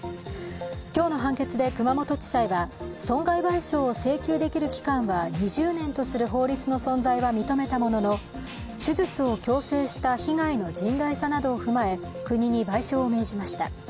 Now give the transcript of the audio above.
今日の判決で熊本地裁は損害賠償を請求できる期間は２０年とする法律の存在は認めたものの手術を強制した被害の甚大さなどを踏まえ国に賠償を命じました。